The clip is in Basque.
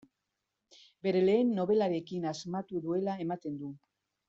Bere lehen nobelarekin asmatu duela ematen du.